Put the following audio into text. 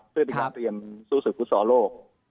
เพื่อการเตรียมสู้สุดพุทธศาสตร์โลก